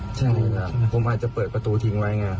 ใช่ครับผมอาจจะเปิดประตูทิ้งไว้ไง